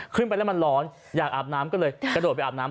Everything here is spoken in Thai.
ขึ้นไปแล้วมันร้อนอยากอาบน้ำก็เลยกระโดดไปอาบน้ำ